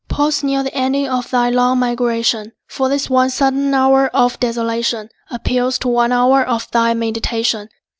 Pause near the ending of thy long migration; For this one sudden hour of desolation Appeals to one hour of thy meditation.